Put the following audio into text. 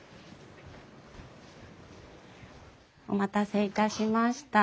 お待たせいたしました。